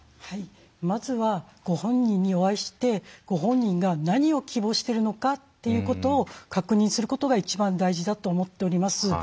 まずはご本人にお会いしてご本人が何を希望してるのかっていうことを確認することが一番大事だと思っております。